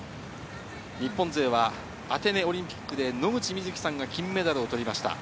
日本勢はアテネオリンピックで野口みずきさんが金メダルを取りました。